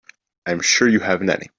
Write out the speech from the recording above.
I'm sure you haven't any.